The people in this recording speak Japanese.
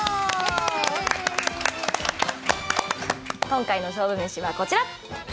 今回の勝負めしはこちら。